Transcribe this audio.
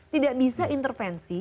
tidak bisa intervensi